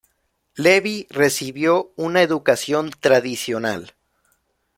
Levi recibió una educación tradicional.